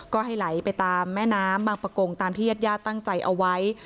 ก็ให้ไหลไปตามแม่น้ำบางประกงตามที่ญาติญาติตั้งใจเอาไว้